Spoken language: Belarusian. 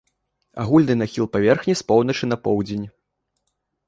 Агульны нахіл паверхні з поўначы на поўдзень.